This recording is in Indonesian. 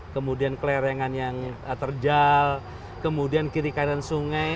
kemudian kelerengan yang terjal kemudian kiri kanan sungai